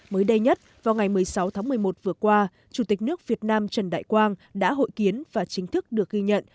mới đây nhất vào ngày một mươi sáu tháng một mươi một vừa qua chủ tịch nước việt nam trần đại quang đã hội kiến và chính thức được ghi nhận